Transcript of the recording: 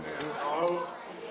合う。